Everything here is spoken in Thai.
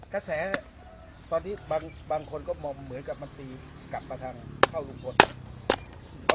กระแสตอนนี้บางคนก็มอมเหมือนกับมันตีกลับมาทางเข้าลุงพล